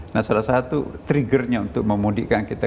nah salah satu triggernya untuk memudikkan kita